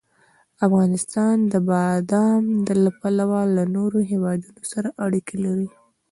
افغانستان د بادام له پلوه له نورو هېوادونو سره اړیکې لري.